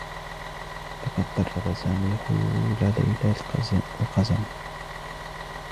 لقد درّب سامي خيول ليلى القزمة.